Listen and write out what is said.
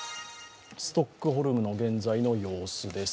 ストックホルムの現在の様子です。